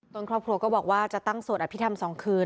ครอบครัวก็บอกว่าจะตั้งสวดอภิษฐรรม๒คืน